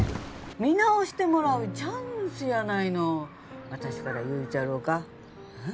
見直してもらうチャンスやないの私から言うちゃろうかうん？